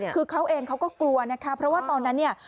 คือเขาเองเขาก็กลัวนะคะเพราะว่าตอนนั้นเนี่ย